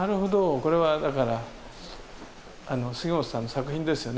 これはだからあの杉本さんの作品ですよね。